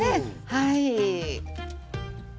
はい。